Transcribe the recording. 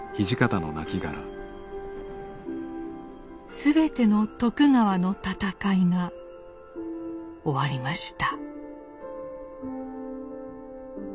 全ての徳川の戦いが終わりました。